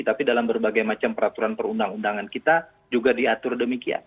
tapi dalam berbagai macam peraturan perundang undangan kita juga diatur demikian